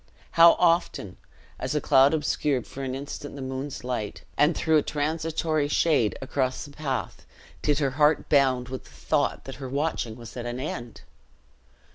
How often, as a cloud obscured for an instant the moon's light, and threw a transitory shade across the path, did her heart bound with the thought that her watching was at an end!